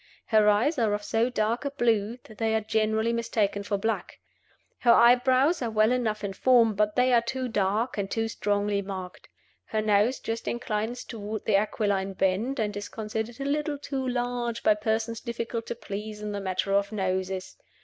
Her eyes are of so dark a blue that they are generally mistaken for black. Her eyebrows are well enough in form, but they are too dark and too strongly marked. Her nose just inclines toward the aquiline bend, and is considered a little too large by persons difficult to please in the matter of noses.